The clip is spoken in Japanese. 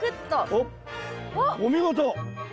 おっお見事！